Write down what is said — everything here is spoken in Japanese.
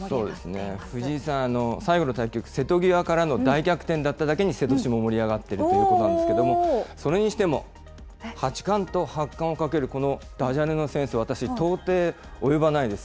そうですね、藤井さん、最後の対局、瀬戸際からの大逆転だったことからも、瀬戸市も盛り上がっているということなんですが、それにしても、八冠と発汗をかける、このダジャレのセンス、私、到底、及ばないです。